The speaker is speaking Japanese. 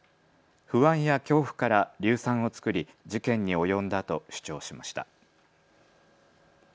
不安や恐怖から硫酸を作り事件に及んだと主張しました。